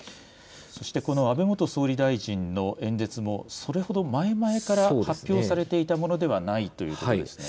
安倍元総理大臣の演説もそれほど前々から発表されていたものではないということですね。